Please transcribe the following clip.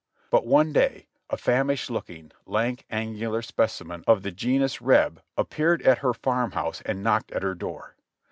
But one day a famished looking, lank, angular specimen of the genus Reb appeared at her farm house and knocked at her door.